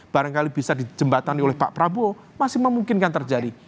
barangkali bisa dijembatani oleh pak prabowo masih memungkinkan terjadi